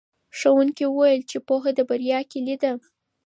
ښوونکي وویل چې پوهه د بریا کیلي ده.